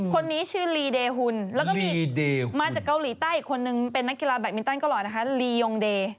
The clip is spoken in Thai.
คนนี้ชื่อลีเดฮุนแล้วก็มีมาจากเกาหลีใต้อีกคนนึงเป็นนักกีฬาแบตมินตันก็หล่อนะคะลียงเดย์